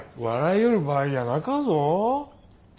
笑いよる場合じゃなかぞ！